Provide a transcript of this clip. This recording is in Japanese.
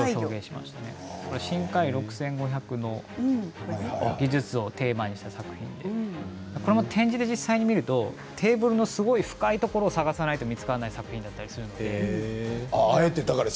しんかい６５００の技術をテーマにした作品でこれも展示で実際に見るとテーブルのすごい深いところを探さないと見つからない作品だったりするので。